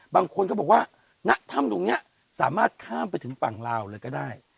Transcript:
บางคนก็บอกว่าณถ้ำตรงนี้สามารถข้ามไปถึงฝั่งลาวเลยก็ได้